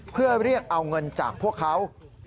เพื่อเรียกเอาเงินจากพวกเขา